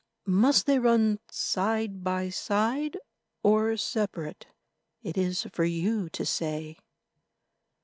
Must they run side by side, or separate? It is for you to say."